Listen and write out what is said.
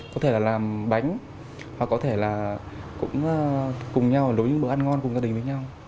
có thể là làm bánh hoặc có thể là cũng cùng nhau đối với bữa ăn ngon cùng gia đình với nhau